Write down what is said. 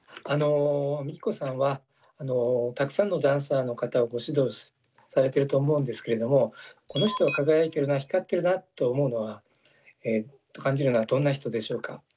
ＭＩＫＩＫＯさんはたくさんのダンサーの方をご指導されてると思うんですけれどもこの人は輝いてるな光ってるなと思うのはと感じるのはどんな人でしょうか？